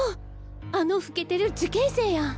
あの老けてる受験生やん。